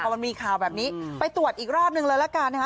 แต่พอมีข่าวแบบนี้ไปตรวจอีกรอบนึงแล้วกันนะคะ